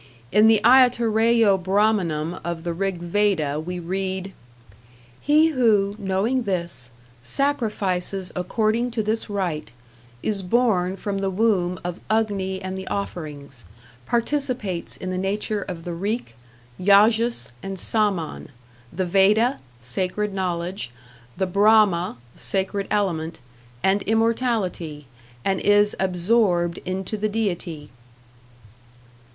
In the Aitareyo Brahmanam of the Rig Veda we read He who, knowing this, sacrifices according to this rite, is born from the womb of Agni and the offerings, participates in the nature of the Rik, Yajus, and Saman, the Veda (sacred knowledge), the Brahma (sacred element) and immortality, and is absorbed into the deity.